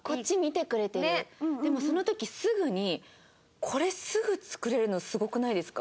でもその時すぐにこれすぐ作れるのすごくないですか？